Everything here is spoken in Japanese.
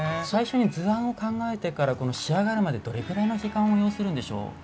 最初に図案を考えてから仕上がるまでどれぐらいの時間を要するんでしょう？